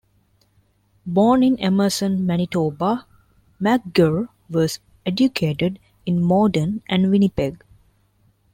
Born in Emerson, Manitoba, McGirr was educated in Morden and Winnipeg.